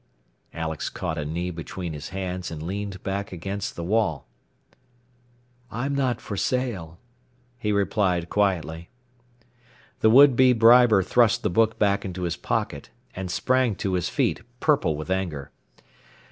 Alex caught a knee between his hands and leaned back against the wall. "I'm not for sale," he replied quietly. The would be briber thrust the book back into his pocket and sprang to his feet, purple with anger.